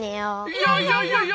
いやいやいやいや。